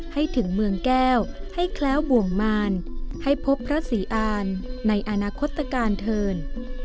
ให้ถึงเมืองแก้วให้แคล้วบ่วงมารให้พบพระศรีอานในอนาคตการเถิน